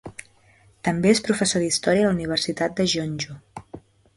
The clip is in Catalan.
També és professor d'història a la universitat Jeonju.